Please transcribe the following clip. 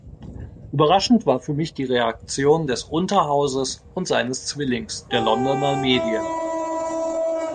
Überraschend war für mich die Reaktion des Unterhauses und seines Zwillings, der Londoner Medien.